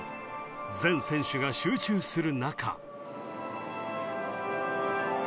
全選手が集中する中